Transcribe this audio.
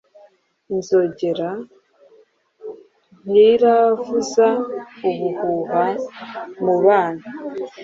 Inzogera ntiravuza ubuhuha mubana